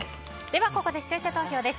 ここで視聴者投票です。